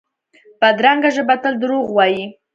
بدرنګه ژبه تل دروغ وايي